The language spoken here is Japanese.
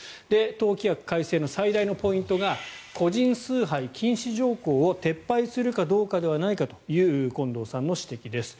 党規約改正の最大のポイントが個人崇拝禁止条項を撤廃するかどうかではないかという近藤さんの指摘です。